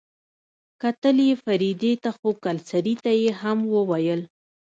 کتل يې فريدې ته خو کلسري ته يې هم وويل.